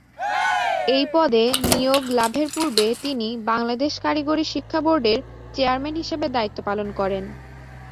এই পদে নিয়োগ লাভের পূর্বে তিনি বাংলাদেশ কারিগরি শিক্ষা বোর্ডের চেয়ারম্যান হিসেবে দায়িত্ব পালন করেন।